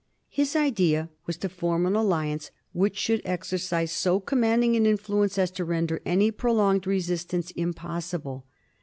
His idea was to form an alliance which should exercise so commanding an influence as to render any prolonged resistance impossible.